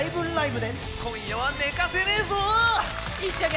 で、今夜は寝かせないぞ！